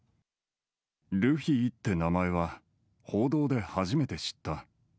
ルフィって名前は報道で初めて知った。